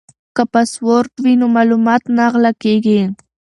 که پاسورډ وي نو معلومات نه غلا کیږي.